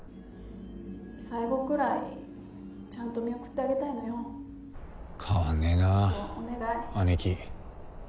最後くらいちゃんと見送ってあげたいのよ・変わんねな姉貴。